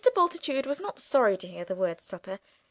Bultitude was not sorry to hear the word "supper."